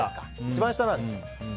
一番下なんです。